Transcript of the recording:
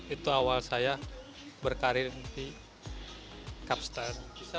itu awal saya berkarir di kapster